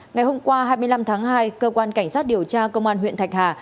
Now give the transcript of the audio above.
ngày hôm qua hai mươi năm tháng hai cơ quan cảnh sát điều tra công an huyện thạch hà